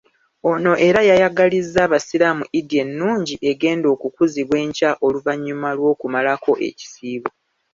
Ono era yayagalizza Abasiraamu Eid ennungi egenda okukuzibwa enkya oluvanyuma lw'okumalako ekisiibo.